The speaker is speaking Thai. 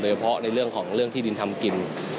เฉพาะในเรื่องของเรื่องที่ดินทำกิน